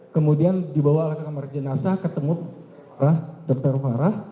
kemudian dibawa ke kamar jenazah ketemu dr farah